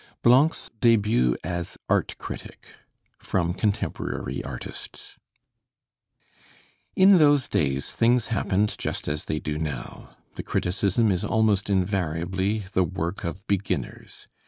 BLANC'S DÉBUT AS ART CRITIC From 'Contemporary Artists' In those days things happened just as they do now; the criticism is almost invariably the work of beginners.